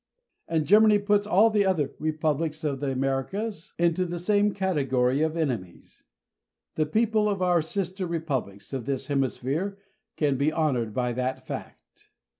And Germany puts all the other Republics of the Americas into the same category of enemies. The people of our sister Republics of this Hemisphere can be honored by that fact.